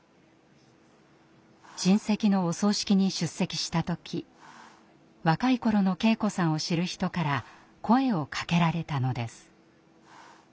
親戚のお葬式に出席した時若い頃の圭子さんを知る人から声をかけられたのです。